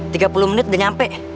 tiga puluh menit udah nyampe